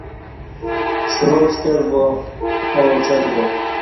سوا پشتربا آو اُڄر با